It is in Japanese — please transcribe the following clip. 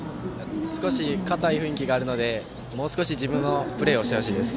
少し硬い雰囲気があるのでもう少し自分のプレーをしてほしいです。